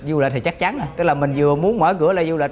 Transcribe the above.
du lịch thì chắc chắn là tức là mình vừa muốn mở cửa lại du lịch